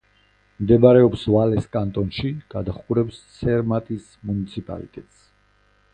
მდებარეობს ვალეს კანტონში; გადაჰყურებს ცერმატის მუნიციპალიტეტს.